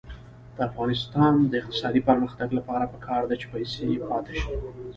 د افغانستان د اقتصادي پرمختګ لپاره پکار ده چې پیسې پاتې شي.